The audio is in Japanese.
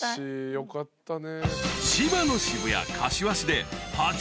よかったね。